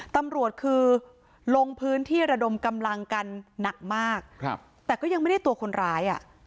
ตำรวจคือลงพื้นที่ระดมกำลังกันหนักมากครับแต่ก็ยังไม่ได้ตัวคนร้ายอ่ะ